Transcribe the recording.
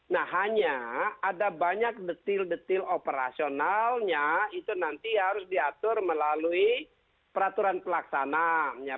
nah hanya ada banyak detail detail operasionalnya itu nanti harus diatur melalui peraturan pelaksanaan